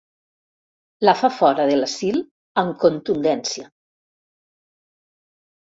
La fa fora de l'asil amb contundència.